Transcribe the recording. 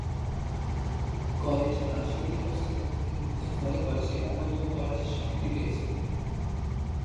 College রাজনৈতিক অস্থিরতা থেকে মুক্ত ফলে কলেজটি অন্যতম কলেজের স্বীকৃতি পেয়েছে।